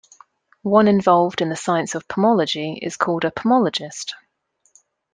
One involved in the science of pomology is called a pomologist.